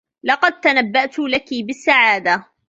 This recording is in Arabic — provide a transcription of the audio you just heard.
لقد تنبّأت لكي بالسّعادة.